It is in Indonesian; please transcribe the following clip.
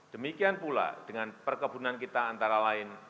demikian pula dengan perkebunan kita antara lain